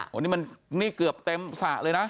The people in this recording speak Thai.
โหนี่เกือบเต็มสระเลยนะ